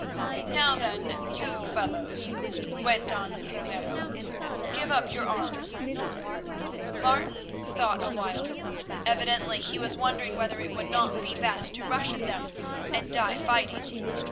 "Now, then, you fellows," went on Ramiro, "give up your arms." Martin thought a while. Evidently he was wondering whether it would not be best to rush at them and die fighting.